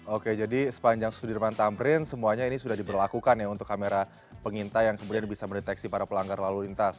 oke jadi sepanjang sudirman tamrin semuanya ini sudah diberlakukan ya untuk kamera pengintai yang kemudian bisa mendeteksi para pelanggar lalu lintas